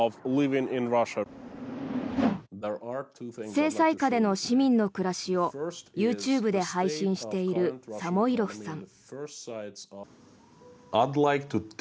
制裁下での市民の暮らしをＹｏｕＴｕｂｅで配信しているサモイロフさん。